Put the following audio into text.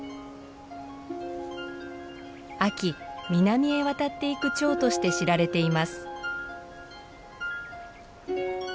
秋南へ渡っていくチョウとして知られています。